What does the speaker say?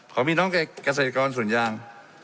ขอบีน้องกับกษัตริย์กรส่วนยาง